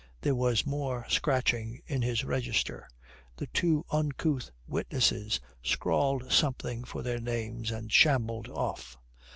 There was more scratching in his register. The two uncouth witnesses scrawled something for their names and shambled off.